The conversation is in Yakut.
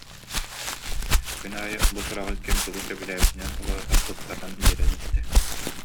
Күн аайы бу сураҕы ким тугу сөбүлээбитинэн уларытан, тупсаран биэрэн истэ